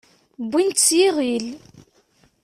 Wwin-t s yiɣil.